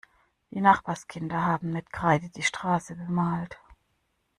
Die Nachbarskinder haben mit Kreide die Straße bemalt.